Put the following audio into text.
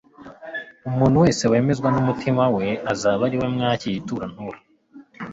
umuntu wese wemezwa n'umutima we azaba ari we mwakira ituro antura